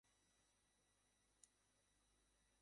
এই শহরে তিনটি উচ্চবিদ্যালয় রয়েছে ও একটি মহাবিদ্যালয় আছে।